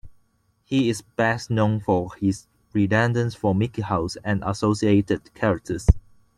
He is best known for his rendition of Mickey Mouse and associated characters.